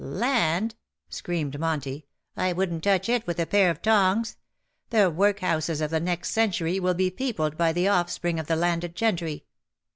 ^^" Land,''^ screamed Monty. ^' I wouldn^t touch it with a pair of tongs ! The workhouses of the next century will be peopled by the offspring of the landed gentry.